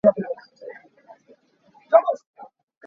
Ṭhutnak kaan hoih.